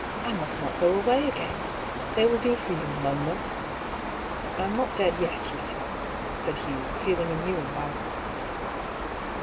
" I must not go away again ! They will do for you among them !"" I'm not dead yet, you see," said Hugh, feeling a new embarrassment.